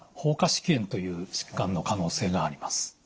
蜂窩織炎という疾患の可能性があります。